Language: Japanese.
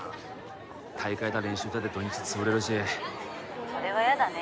大会だ練習だで土日潰れるし☎それはやだね